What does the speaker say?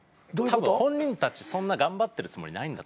たぶん本人たちそんな頑張ってるつもりないんだと。